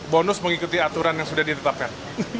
bonus mengikuti aturan yang sudah ditetapkan